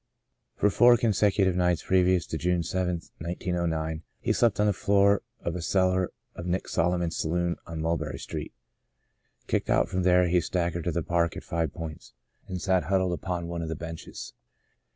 For four consecutive nights previous to June 7, 1909, he slept on the floor of the cel lar of Nick Solomon's saloon on Mulberry Street. Kicked out from there he staggered to the park at Five Points and sat huddled upon one of the benches.